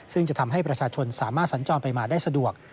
ซึ่งจะทำให้ประชาชนสามารถสัญจรไปมาได้สะดวก